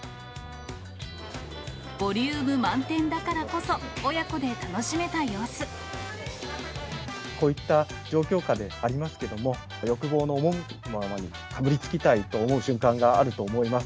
ボリューム満点だからこそ、こういった状況下でありますけども、欲望の赴くままに、かぶりつきたいと思う瞬間があると思います。